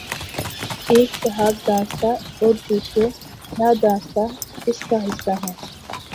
ایک صاحب دانستہ اور دوسرے نادانستہ اس کا حصہ ہیں۔